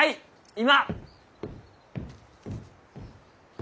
今！